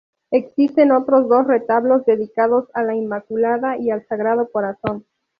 Existen otros dos retablos dedicados a la Inmaculada y al Sagrado Corazón.